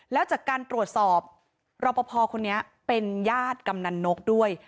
แล้วจากการตรวจสอบรอปภคนนี้เป็นญาติกำนันนกด้วย